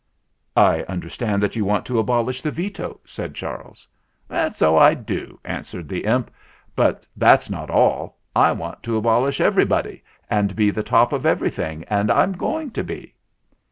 "I understand that you want to abolish the Veto," said Charles. "So I do," answered the imp; "but that's not all : I want to abolish everybody and be the top of everything; and I'm going to be."